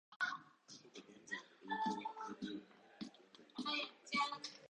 過去が現在に影響を与えるように、未来も現在に影響を与える。